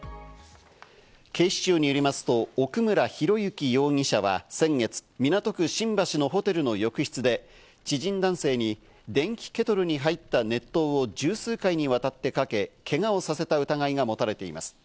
警視庁によりますと奥村啓志容疑者は先月、港区新橋のホテルの浴室で知人男性に電気ケトルに入った熱湯を十数回にわたってかけ、けがをさせた疑いが持たれています。